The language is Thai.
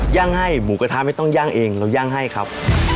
ย่างให้หมูกระทะไม่ต้องย่างเองเราย่างให้ครับ